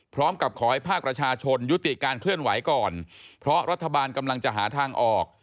พร้อมกับขอให้ภาคประชาชนยุติการเคลื่อนไหวก่อนเพราะรัฐบาลกำลังจะหาทางออก